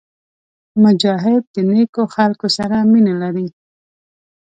مجاهد د نیکو خلکو سره مینه لري.